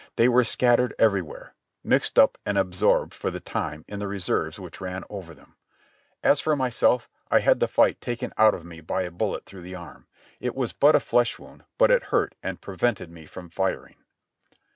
They were scattered everywhere, mixed up and absorbed for the time in the reserves which ran over them. As for myself, I had the fight taken out of me by a bullet through the arm. It was but a flesh wound, but it hurt and prevented me from firing.